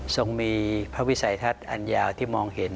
ทรงมีพระวิสัยทัศน์อันยาวที่มองเห็น